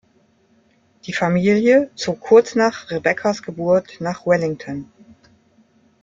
Die Familie zog kurz nach Rebeccas Geburt nach Wellington.